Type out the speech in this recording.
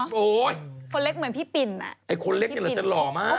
คนเล็กเหมือนพี่ปิ่นไอ้คนเล็กเนี่ยเหลือจะหล่อมาก